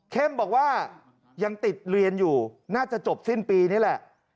บอกว่ายังติดเรียนอยู่น่าจะจบสิ้นปีนี่แหละ